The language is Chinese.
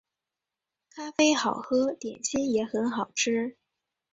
咖啡好喝，点心也很好吃